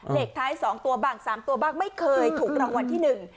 เหล็กไทย๒ตัวบ้าง๓ตัวบ้างไม่เคยถูกรางวัลที่หนึ่ง